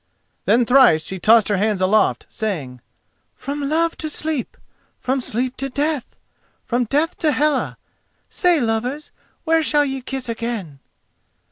Then thrice she tossed her hands aloft, saying: "From love to sleep! From sleep to death! From death to Hela! Say, lovers, where shall ye kiss again?"